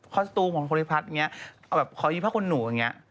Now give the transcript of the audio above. คอสตูมของคนพลัดอย่างนี้เอาแบบขอยื้อผ้าคนหนูอย่างนี้